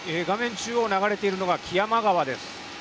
中央、流れているのは木山川です。